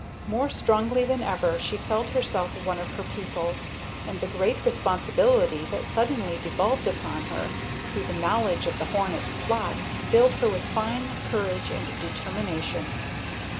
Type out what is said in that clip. More strongly than ever she felt herself one of her people; and the great responsibility that suddenly devolved upon her, through the knowledge of the hornets' plot, filled her with fine courage and determination.